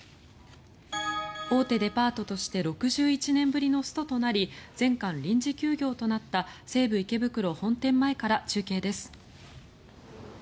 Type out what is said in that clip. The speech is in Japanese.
大手デパートとして６１年ぶりのストとなり全館臨時休業となった西武池袋本店前から中継です。